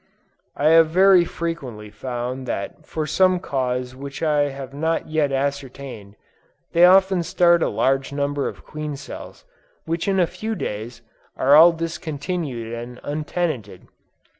I have very frequently found that for some cause which I have not yet ascertained, they often start a large number of queen cells, which in a few days, are all discontinued and untenanted.